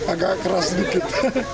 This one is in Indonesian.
agak keras sedikit